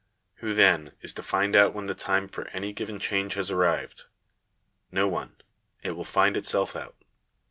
Who, then, is to find out when the time for any given change has arrived? No one : it will find itself ont.